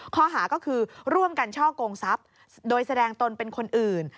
ข้อหาก็คือร่วมกันช่อกงทรัพย์โดยแสดงตนเป็นคนอื่น